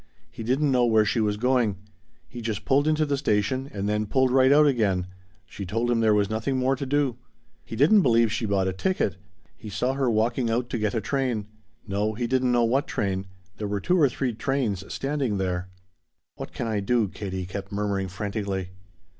He didn't know where she was going. He just pulled in to the station and then pulled right out again she told him there was nothing more to do. He didn't believe she bought a ticket. He saw her walking out to get a train. No, he didn't know what train. There were two or three trains standing there. "What can I do?" Katie kept murmuring frantically.